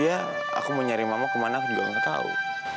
iya aku mau nyari mama kemana aku juga gak tau